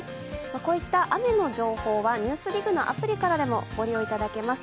こういった雨の情報は「ＮＥＷＳＤＩＧ」のアプリからでもご利用いただけます。